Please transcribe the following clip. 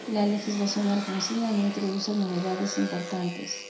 La legislación alfonsina no introduce novedades importantes.